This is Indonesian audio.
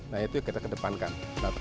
nah itu yang kita kedepankan